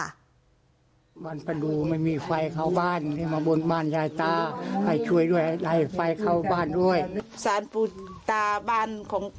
เออคุณผู้ชมมันสะท้อนให้เห็นอะไรหลายอย่าง